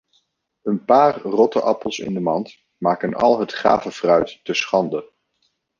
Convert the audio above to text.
Een paar rotte appels in de mand maken al het gave fruit te schande.